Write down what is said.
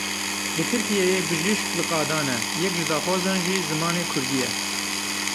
Li Tirkiyeyê bijîşk li qadan e; yek ji daxwazan jî zimanê kurdî ye.